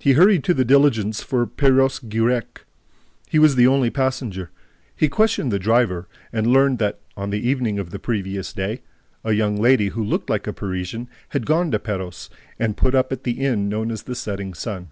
He hurried to the diligence for Perros Guirec. He was the only passenger. He questioned the driver and learned that, on the evening of the previous day, a young lady who looked like a Parisian had gone to Perros and put up at the inn known as the Setting Sun.